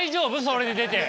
それで出て。